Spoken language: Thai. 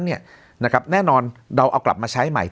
แน่นอนเราเอากลับมาใช้ใหม่